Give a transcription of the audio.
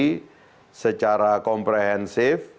terjadi secara komprehensif